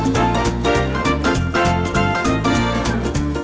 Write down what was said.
แย่ได้เดี๋ยว